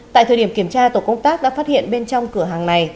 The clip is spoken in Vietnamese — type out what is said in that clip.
tại thời điểm kiểm tra tổ công tác đã phát hiện bên trong cửa hàng này